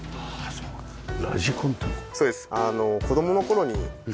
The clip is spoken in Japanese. そうですか。